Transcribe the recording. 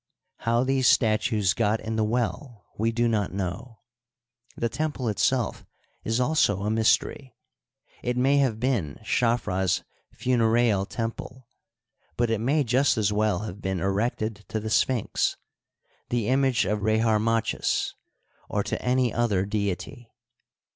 How these statues got in the well we do not know. The tem ple itself is 2US0 a mystery ; it may have been Chafra's funereal temple, but it may just as well have been erected to the Sphinx, the image of Rdkarmachis, or to any other deity.